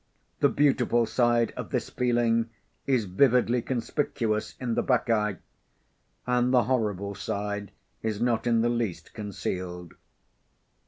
The beautiful side of this feeling is vividly conspicuous in The Bacchae. And the horrible side is not in the least concealed.